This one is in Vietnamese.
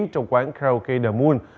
trong quán karaoke the moon